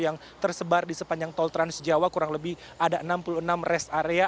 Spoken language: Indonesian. yang tersebar di sepanjang tol transjawa kurang lebih ada enam puluh enam rest area